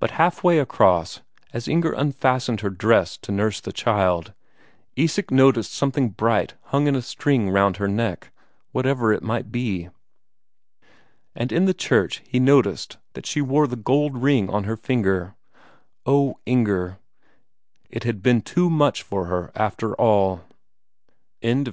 But half way across, as Inger unfastened her dress to nurse the child, Isak noticed something bright hung in a string round her neck; whatever it might be. And in the church he noticed that she wore that gold ring on her finger. Oh, Inger it had been too much for her after all! Chapter XVII Eleseus came home.